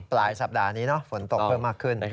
ปลายสัปดาห์นี้ฝนตกเพิ่มมากขึ้น